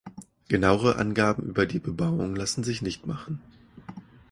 Genauere Angaben über die Bebauung lassen sich nicht machen.